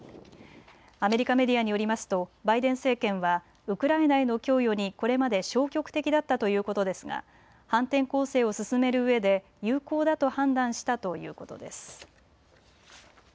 アメリカメディアによりますとバイデン政権はウクライナへの供与にこれまで消極的だったということですが反転攻勢を進めるうえで有効だと判断したということです。